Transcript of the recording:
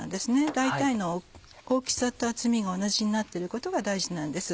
大体の大きさと厚みが同じになってることが大事なんです。